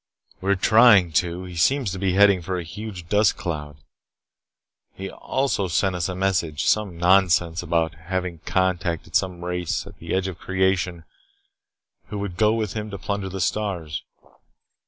"We are trying to. He seems to be heading for a huge dust cloud. He also sent us a message. Some nonsense about having contacted some race at the edge of creation who would go with him to plunder the stars.